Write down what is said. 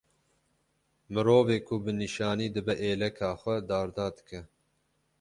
Mirovê ku bi nîşanî dibe êleka xwe darda dike